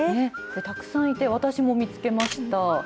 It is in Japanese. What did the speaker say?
たくさんいて、私も見つけました。